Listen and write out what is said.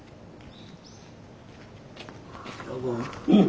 どうも。